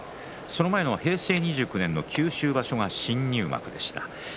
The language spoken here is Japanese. その前の平成２９年の九州場所が新入幕でした。